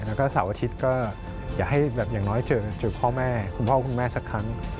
แล้วก็เสาร์อาทิตย์ก็อย่าให้แบบอย่างน้อยเจอพ่อแม่คุณพ่อคุณแม่สักครั้ง